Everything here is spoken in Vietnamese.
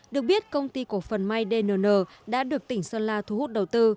được biết công ty cổ phần mydnn đã được tỉnh sơn la thu hút đầu tư